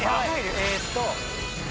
えーっと。